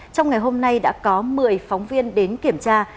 trong ngày hôm nay đã có một mươi phóng viên đến kiểm tra